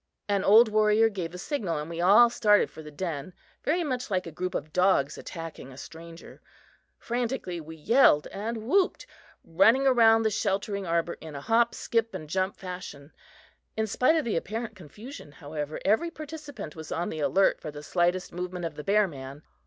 An old warrior gave the signal and we all started for the den, very much like a group of dogs attacking a stranger. Frantically we yelled and whooped, running around the sheltering arbor in a hop, skip and jump fashion. In spite of the apparent confusion, however, every participant was on the alert for the slightest movement of the bear man.